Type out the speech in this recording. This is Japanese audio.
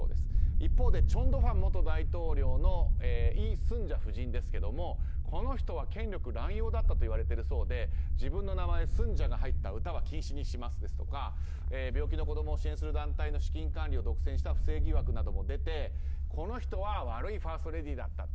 一方で全斗煥元大統領の夫人のイ・スンジャ夫人ですがこの人は権力乱用だったといわれているようで自分の名前スンジャが入った歌は禁止にしますですとか病気の子供を支援する団体の資金管理を独占した不正疑惑も出てこの人は悪いファーストレディーだったと。